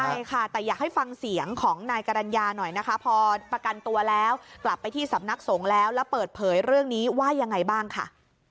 ใช่ค่ะแต่อยากให้ฟังเสียงของนายกรรณญาหน่อยนะคะพอประกันตัวแล้วกลับไปที่สำนักสงฆ์แล้วแล้วเปิดเผยเรื่องนี้ว่ายังไงบ้างค่ะ